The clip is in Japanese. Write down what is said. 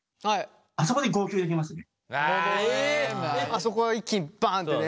あそこは一気にバンってね